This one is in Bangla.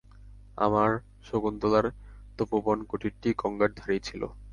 আমার শকুন্তলার তপোবনকুটিরটি গঙ্গার ধারেই ছিল।